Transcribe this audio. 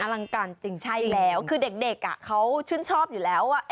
ลังการจริงใช่แล้วคือเด็กเขาชื่นชอบอยู่แล้วว่า